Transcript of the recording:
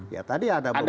ya tadi ada beberapa